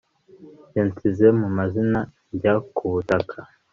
yansize mu mazi njya ku butaka